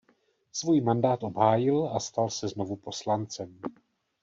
Svůj mandát obhájil a stal se znovu poslancem.